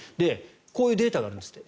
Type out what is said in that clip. こういうデータがあるんですって